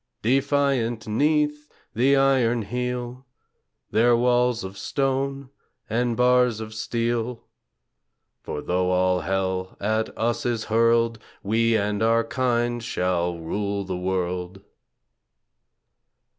CHORUS Defiant 'neath the Iron Heel; Their walls of stone and bars of steel! For though all hell at us is hurled, We and our kind shall rule the world!